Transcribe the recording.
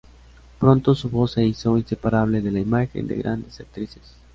Pronto su voz se hizo inseparable de la imagen de grandes actrices.